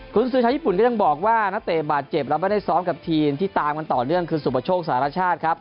คุณซื้อชาวญี่ปุ่นก็ยังบอกว่านักเตะบาดเจ็บแล้วไม่ได้ซ้อมกับทีมที่ตามกันต่อเนื่องคือสุประโชคสารชาติครับ